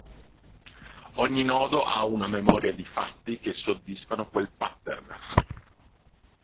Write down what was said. Ogni nodo ha una memoria di fatti che soddisfano quel pattern.